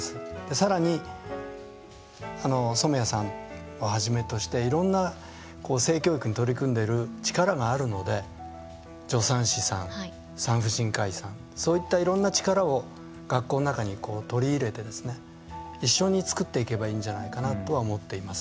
さらに、染矢さんをはじめとしていろんな性教育に取り組んでいる力があるので助産師さん、産婦人科医さんそういったいろんな力を学校の中に取り入れて一緒に作っていけばいいんじゃないかなとは思っています。